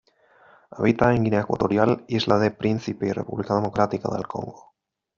Habita en Guinea Ecuatorial, Isla de Príncipe y República Democrática del Congo.